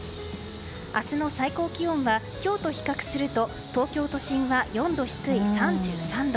明日の最高気温は今日と比較すると東京都心は４度低い３３度。